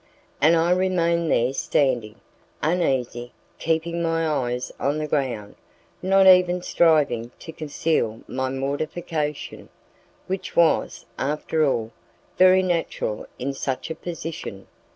And I remained there standing, uneasy, keeping my eyes on the ground, not even striving to conceal my mortification, which was, after all, very natural in such a position.